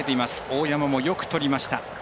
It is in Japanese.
大山もよくとりました。